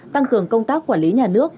tăng cường công tác quản lý nhà nước